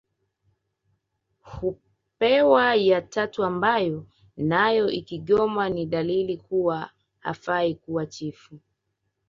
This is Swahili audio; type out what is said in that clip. Hupewa ya tatu ambayo nayo ikigoma ni dalili kuwa hafai kuwa chifu